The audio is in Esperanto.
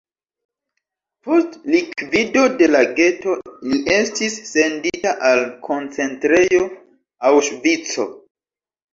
Post likvido de la geto li estis sendita al koncentrejo Aŭŝvico.